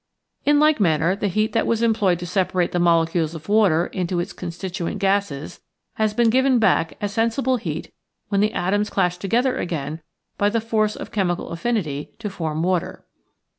In like manner the heat that was em ployed to separate the molecules of water into • its constituent gases has been given back as sensible heat when the atoms clash together again by the force of chemical affinity to form water.